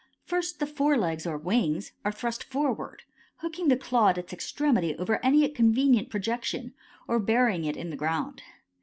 First the forelegs or wings are thrust forward, hooking the claw at its extremity over any convenient projection, or burying it in the ground.